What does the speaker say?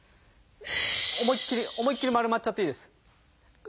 思いっきり思いっきり丸まっちゃっていいです。